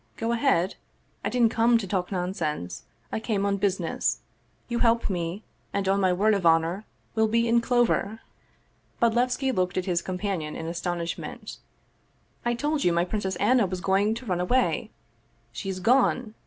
" Go ahead? I didn't come to talk nonsense, I came on business. You help me, and, on my word of honor, we'll be in clover! " Bodlevski looked at his companion in astonishment. " I told you my Princess Anna was going to run away. She's gone